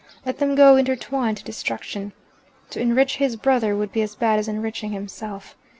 Let them go intertwined to destruction. To enrich his brother would be as bad as enriching himself.